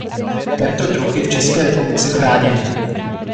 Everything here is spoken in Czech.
Tento druh je v České republice chráněný.